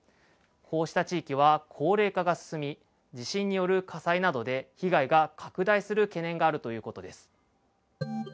こうした地域は高齢化が進み、地震による火災などで被害が拡大する懸念があるということです。